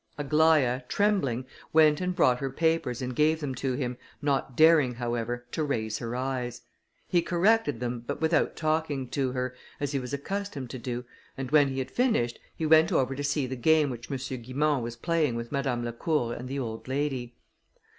Aglaïa, trembling, went and brought her papers, and gave them to him, not daring, however, to raise her eyes; he corrected them, but without talking to her, as he was accustomed to do, and when he had finished, he went over to see the game which M. Guimont was playing with Madame Lacour and the old lady.